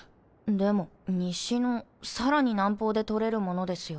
でも西のさらに南方で採れるものですよ？